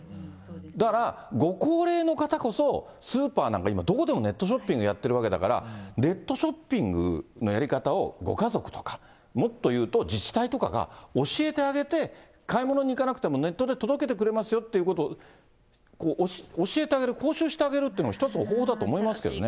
だから、ご高齢の方こそ、スーパーなんか、今、どこでもネットショッピングやってるわけだから、ネットショッピングのやり方を、ご家族とか、もっというと、自治体とかが教えてあげて、買い物に行かなくても、ネットで届けてくれますよっていうことを、教えてあげる、講習してあげるというのも、一つの方法だと思いますけどね。